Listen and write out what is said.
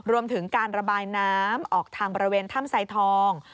รวมถึงการระบายน้ำออกทางบริเวณถ้ำไซทอง